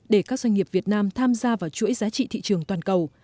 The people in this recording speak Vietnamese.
để các doanh nghiệp việt nam tham gia vào chuỗi giá trị thị trường toàn cầu